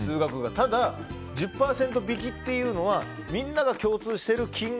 ただ１０％引きというのはみんなが共通している金額